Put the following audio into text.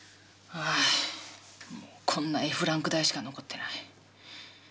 ああもうこんなＦランク大しか残ってない。